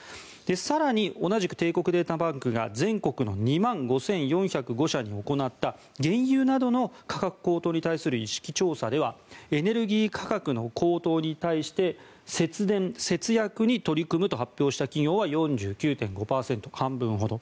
更に、同じく帝国データバンクが全国の２万５４０５社に行った原油などの価格高騰に対する意識調査ではエネルギー価格の高騰に対して節電、節約に取り組むと発表した企業は４９．５％、半分ほど。